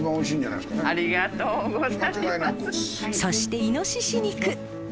そしてイノシシ肉。